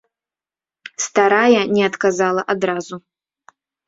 Старая не адказала адразу.